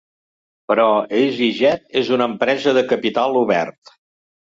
Però EasyJet és una empresa de capital obert.